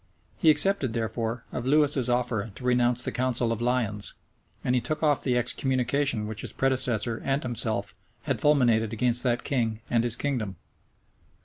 He accepted, therefore, of Lewis's offer to renounce the council of Lyons; and he took off the excommunication which his predecessor and himself had fulminated against that king and his kingdom.